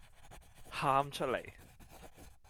喊出黎